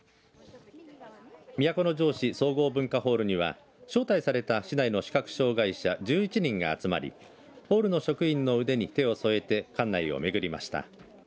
都城市総合文化ホールには招待された市内の視覚障害者１１人が集まりホールの職員の腕に手を添えて館内を巡りました。